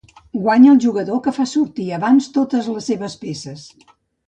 Guanya el jugador que fa sortir abans totes les seves peces.